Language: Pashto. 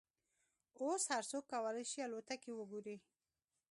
اوس هر څوک کولای شي الوتکې وګوري.